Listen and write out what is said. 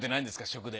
食で。